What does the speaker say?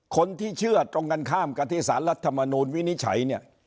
คนที่เชื่อตรงกันข้ามกับที่สารรัฐมนูลวินิจฉัยเนี่ย